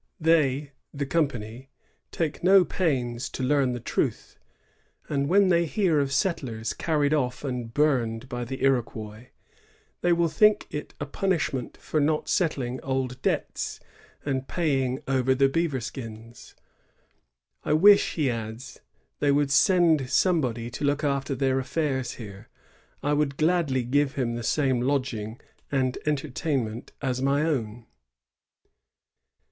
^They [the company] take no pains to learn the truth ; and when they hear of settlers carried off and burned by the Iroquois, they will think it a ptmish ment for not settling old debts, and paying over the beaver skins."^ "I wish," he adds, "they would send somebody to look after their affairs here. I would gladly give him the same lodging and entertainment as my own."